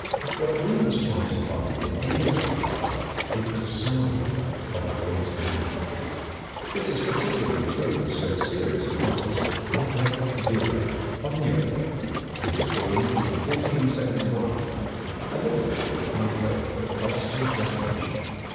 What we must try to find in any work of art is the soul of a great man. This is particularly true of so serious an artist as Albrecht Dürer (doo´ rer) of Nuremberg, who was born in 1471, a little before the outbreak of the Protestant Reformation.